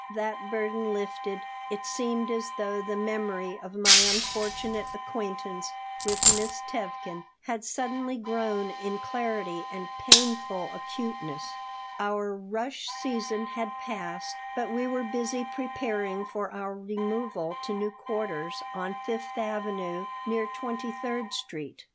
That burden lifted, it seemed as though the memory of my unfortunate acquaintance with Miss Tevkin had suddenly grown in clarity and painful acuteness Our rush season had passed, but we were busy preparing for our removal to new quarters, on Fifth Avenue near Twenty third Street.